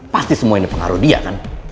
pasti semua ini pengaruh dia kan